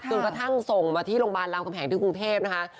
กระทั่งส่งมาที่โรงพยาบาลรามคำแหงที่กรุงเทพนะคะ